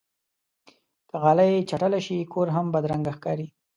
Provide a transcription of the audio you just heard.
که غالۍ چټله شي، کور هم بدرنګه ښکاري.